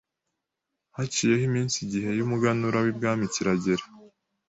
Haciyeho iminsi igihe y’umuganura w’ibwami kiragera